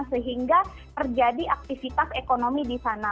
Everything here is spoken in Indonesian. sehingga terjadi aktivitas ekonomi di sana